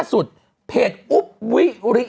ไม่พบชีพประจอนประกอบกับทางแพทย์ที่ลงพื้นที่